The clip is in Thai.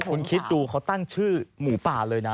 คุณคิดดูเขาตั้งชื่อหมูป่าเลยนะ